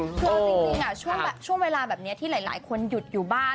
คือเอาจริงช่วงเวลาแบบนี้ที่หลายคนหยุดอยู่บ้าน